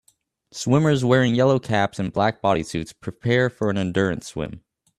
Swimmers wearing yellow caps and black bodysuits prepare for an endurance swim